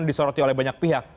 disoroti oleh banyak pihak